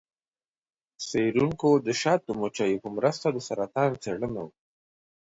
څیړونکو د شاتو مچیو په مرسته د سرطان څیړنه وکړه.